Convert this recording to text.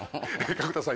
角田さん